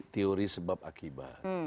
teori sebab akibat